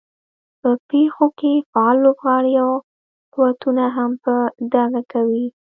په پېښو کې فعال لوبغاړي او قوتونه هم په ډاګه کوي.